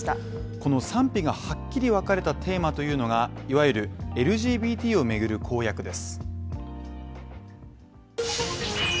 この賛否がはっきりわかれたテーマというのが、いわゆるＬＧＢＴをめぐる公約です。